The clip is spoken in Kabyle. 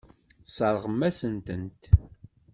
Tesseṛɣem-asent-tent.